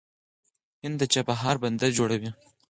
هند د چابهار بندر جوړوي.